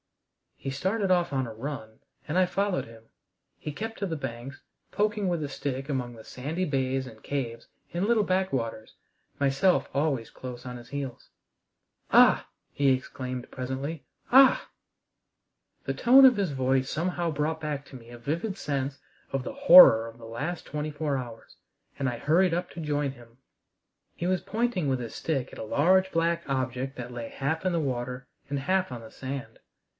He started off on a run, and I followed him. He kept to the banks, poking with a stick among the sandy bays and caves and little back waters, myself always close on his heels. "Ah!" he exclaimed presently, "ah!" The tone of his voice somehow brought back to me a vivid sense of the horror of the last twenty four hours, and I hurried up to join him. He was pointing with his stick at a large black object that lay half in the water and half on the sand.